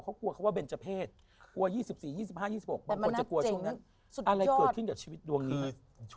เขากลัวเขาว่าเบนเจอร์เพศ